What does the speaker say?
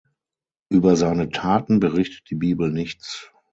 Über seine Taten berichtet die Bibel nichts.